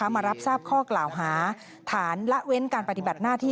มารับทราบข้อกล่าวหาฐานละเว้นการปฏิบัติหน้าที่